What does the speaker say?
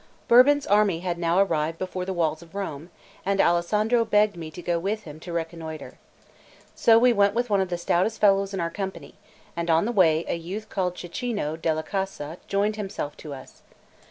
Bourbon's army had now arrived before the walls of Rome, and Alessandro begged me to go with him to reconnoitre. So we went with one of the stoutest fellows in our Company; and on the way a youth called Cecchino della Casa joined himself to us.